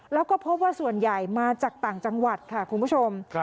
แล้วก็พบว่าส่วนใหญ่มาจากต่างจังหวัดค่ะคุณผู้ชม